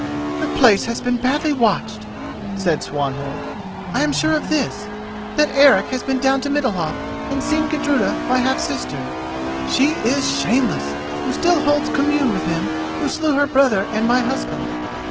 "The place has been badly watched," said Swanhild. "I am sure of this, that Eric has been down to Middalhof and seen Gudruda, my half sister. She is shameless, who still holds commune with him who slew her brother and my husband.